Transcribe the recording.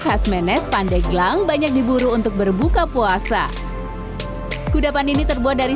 khas menes pandeglang banyak diburu untuk berbuka puasa kudapan ini terbuat dari